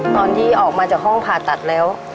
ตอนที่ออกมาจากห้องผ่าตัดแล้ว